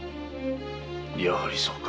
やはりそうか。